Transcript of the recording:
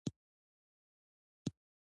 دا قاعده نه تخصیص کېدونکې ده.